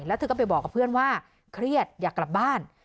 แล้วเธอก็ไปบอกกับเพื่อนว่าเครียดอยากกลับบ้าน